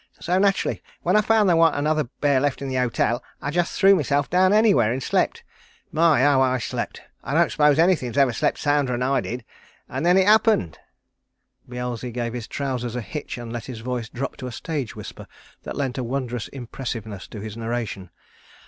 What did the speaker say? So, naturally, when I found there warn't another bear left in the hotel, I just threw myself down anywhere, and slept. My! how I slept. I don't suppose anything ever slept sounder'n I did. And then it happened." Beelzy gave his trousers a hitch and let his voice drop to a stage whisper that lent a wondrous impressiveness to his narration.